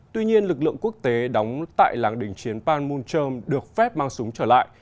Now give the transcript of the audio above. tuy nhiên lực lượng quốc tế đóng tại làng đình chiến panmunjom được phép mang súng trở lại